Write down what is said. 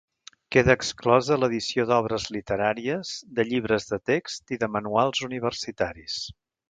Queda exclosa l'edició d'obres literàries, de llibres de text i de manuals universitaris.